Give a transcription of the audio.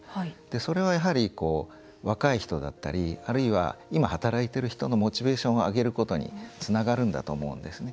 それはやはり、若い人だったりあるいは、今、働いてる人のモチベーションを上げることにつながるんだと思うんですね。